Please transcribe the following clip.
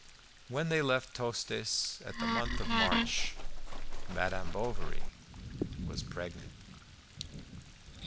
When they left Tostes at the month of March, Madame Bovary was pregnant.